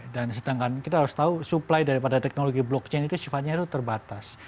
dan sedangkan kita harus tahu supply daripada teknologi blockchain itu sifatnya itu terbatas